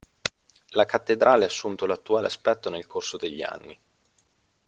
La cattedrale ha assunto l'attuale aspetto nel corso degli anni.